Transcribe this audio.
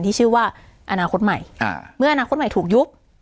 ที่ชื่อว่าอนาคตใหม่เมื่ออนาคตใหม่ถูกยุบ